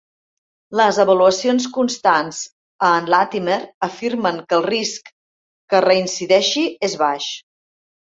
Les avaluacions constants a en Latimer afirmen que el risc que reincideixi és baix.